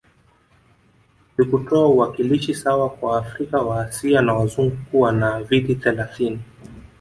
Likutoa uwakilishi sawa kwa waafrika waasia na wazungu kuwa na viti thelathini